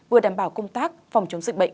vừa đảm bảo công tác phòng chống dịch bệnh